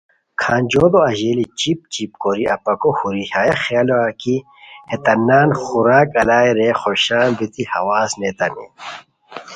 کھانجوڑو اژیلی چیپ چیپ کوری اپاکو ہوری ہیہ خیالہ کی ہیتان نان خوراک الائے رے خوشان بیتی ہواز نیتانی